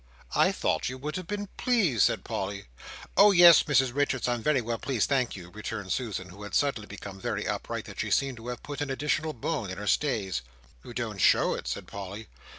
"I thought you would have been pleased," said Polly. "Oh yes, Mrs Richards, I'm very well pleased, thank you," returned Susan, who had suddenly become so very upright that she seemed to have put an additional bone in her stays. "You don't show it," said Polly.